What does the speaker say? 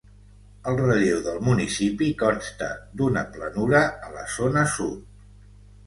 El relleu del municipi consta d'una planura a la zona sud.